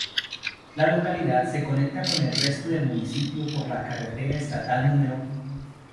La localidad se conecta con el resto del municipio por la carretera estatal No.